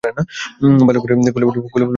ভালো করে খুলে বলো তোমার মনের কথাটা।